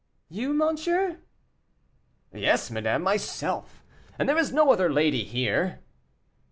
"You, monsieur?" "Yes, madame, myself. And there is no other lady here."